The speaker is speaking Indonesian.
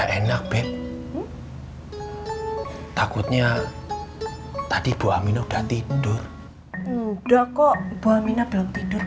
enak beb takutnya tadi bu aminah udah tidur udah kok bu aminah belum tidur